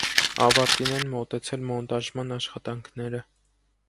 Ավարտին են մոտեցել մոնտաժման աշխատանքները։